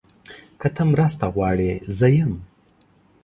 که ته مرسته غواړې، زه یم.